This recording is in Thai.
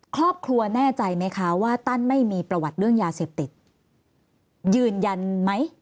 ครอบครัวแน่ใจไหมคะว่าตั้นไม่มีประวัติเรื่องยาเสพติดยืนยันไหม